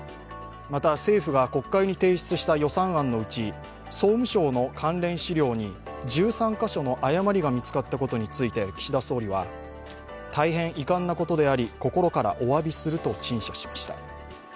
また、政府が国会に提出した予算案のうち総務省の関連資料に１３カ所の誤りが見つかったことについて岸田総理は大変遺憾なことであり、心からおわびすると陳謝しました。